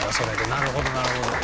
なるほどなるほど。